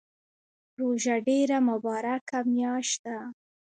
روژه ډیره مبارکه میاشت ده